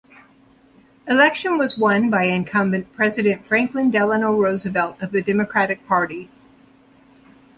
Election was won by incumbent President Franklin Delano Roosevelt of the Democratic Party.